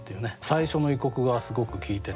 「最初の異国」がすごく効いてて。